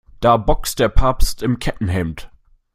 Da boxt der Papst im Kettenhemd.